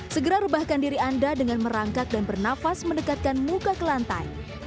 segera rebahkan diri anda dengan merangkak dan bernafas mendekatkan muka ke lantai